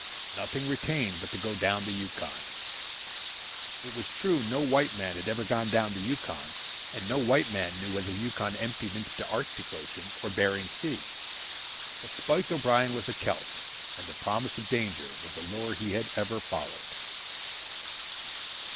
Nothing retained but to go down the Yukon. It was true no white man had ever gone down the Yukon, and no white man knew whether the Yukon emptied into the Arctic Ocean or Bering Sea; but Spike O'Brien was a Celt, and the promise of danger was a lure he had ever followed.